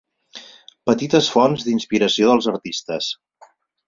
Petites fonts d'inspiració dels artistes.